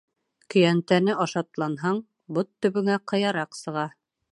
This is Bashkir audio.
Көйәнтәне ашатланһаң, бот төбөңә ҡыяраҡ сыға.